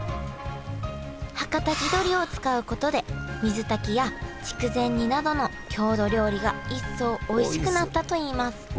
はかた地どりを使うことで水炊きや筑前煮などの郷土料理が一層おいしくなったといいます。